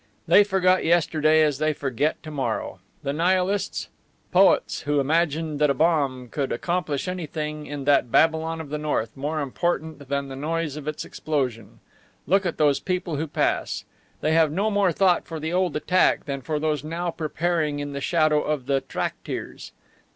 They forgot yesterday as they forget to morrow. The Nihilists? Poets, who imagined that a bomb could accomplish anything in that Babylon of the North more important than the noise of its explosion! Look at these people who pass. They have no more thought for the old attack than for those now preparing in the shadow of the "tracktirs."